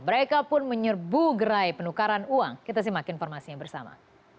mereka pun menyerbu gerai penukaran uang kita simak informasinya bersama